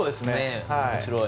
面白い。